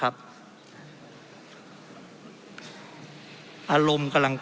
เพราะเรามี๕ชั่วโมงครับท่านนึง